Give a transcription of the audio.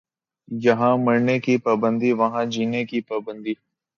یہاں مرنے کی پابندی وہاں جینے کی پابندی